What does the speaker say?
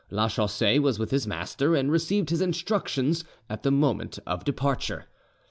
Lachaussee was with his master, and received his instructions at the moment of departure.